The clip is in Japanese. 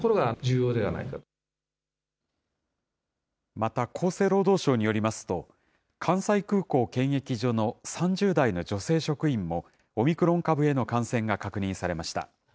また、厚生労働省によりますと、関西空港検疫所の３０代の女性職員もオミクロン株への感染が確認されました。